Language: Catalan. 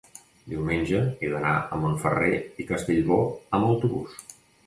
diumenge he d'anar a Montferrer i Castellbò amb autobús.